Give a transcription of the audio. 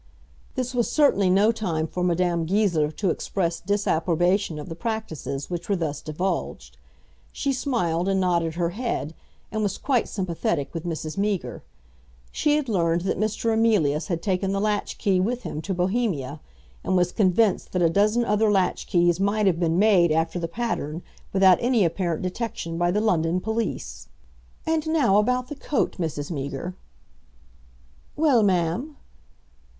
This was certainly no time for Madame Goesler to express disapprobation of the practices which were thus divulged. She smiled, and nodded her head, and was quite sympathetic with Mrs. Meager. She had learned that Mr. Emilius had taken the latch key with him to Bohemia, and was convinced that a dozen other latch keys might have been made after the pattern without any apparent detection by the London police. "And now about the coat, Mrs. Meager." "Well, Ma'am?"